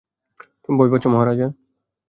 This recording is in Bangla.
তুমি ভয় পাচ্ছ, মহারাজা?